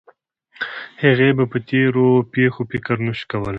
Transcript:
هغې به په تېرو پېښو فکر نه شو کولی